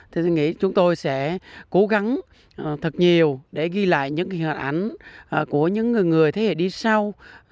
thì tôi nghĩ chúng tôi sẽ cố gắng thật nhiều để ghi lại những hình ảnh của những người người thế hệ đi sau